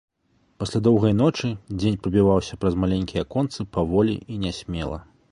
Пасля доўгай ночы дзень прабіваўся праз маленькія аконцы паволі і нясмела.